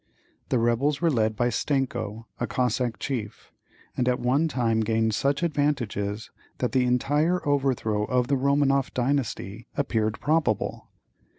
The rebels were led by Stenko, a Cossack chief, and at one time gained such advantages that the entire overthrow of the Romanoff dynasty appeared probable.